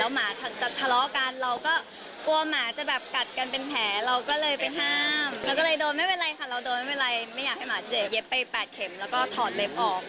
หมาจะทะเลาะกันเราก็กลัวหมาจะแบบกัดกันเป็นแผลเราก็เลยไปห้ามแล้วก็เลยโดนไม่เป็นไรค่ะเราโดนไม่เป็นไรไม่อยากให้หมาเจ็บเย็บไป๘เข็มแล้วก็ถอดเล็บออก